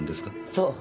そう。